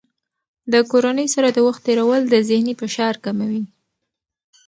د کورنۍ سره د وخت تېرول د ذهني فشار کموي.